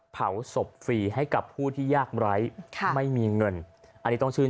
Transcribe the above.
เผาศพฟรีให้กับผู้ที่ยากไร้ค่ะไม่มีเงินอันนี้ต้องชื่น